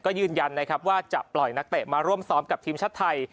ก็ยืนยันนะครับว่าจะปล่อยนักเตะมาร่วมซ้อมกับทีมชาติไทย